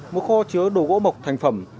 một kho chứa đồ gỗ mộc thành phẩm